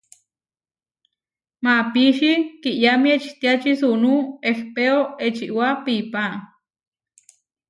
Maapíči kiʼyámi ečitiáči suunú ehpéo ečiwá piipá.